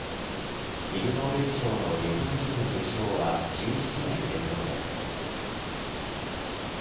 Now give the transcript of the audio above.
イグ・ノーベル賞の日本人の受賞は１７年連続です。